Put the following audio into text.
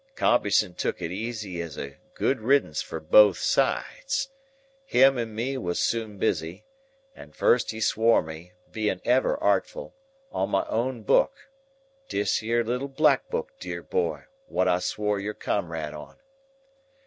"Compeyson took it easy as a good riddance for both sides. Him and me was soon busy, and first he swore me (being ever artful) on my own book,—this here little black book, dear boy, what I swore your comrade on.